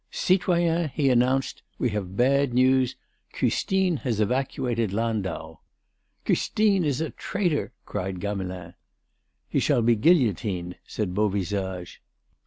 "Citoyens," he announced, "we have bad news: Custine has evacuated Landau." "Custine is a traitor!" cried Gamelin. "He shall be guillotined," said Beauvisage.